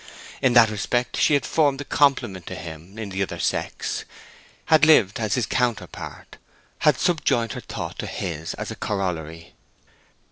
In that respect she had formed the complement to him in the other sex, had lived as his counterpart, had subjoined her thought to his as a corollary.